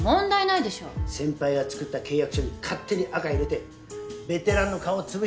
先輩が作った契約書に勝手に赤入れてベテランの顔をつぶして。